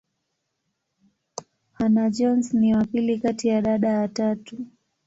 Hannah-Jones ni wa pili kati ya dada watatu.